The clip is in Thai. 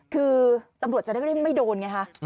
คือตำรวจจะได้ไม่โดนไงคะ